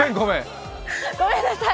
ごめんなさい！